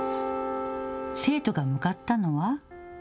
生徒が向かったのは。